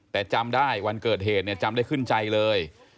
แต่จำได้วันเกิดเหตุเนี่ยจำได้ขึ้นใจเลย